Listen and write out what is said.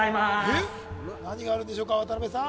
えっ何があるんでしょうか渡辺さん